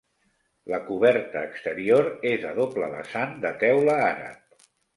La coberta exterior és a doble vessant de teula àrab.